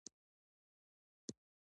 دښمن ته هم ډوډۍ ورکړئ